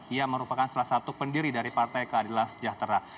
ia merupakan salah satu pendiri dari partai keadilan sejahtera